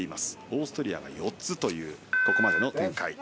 オーストリアが４つというここまでの展開。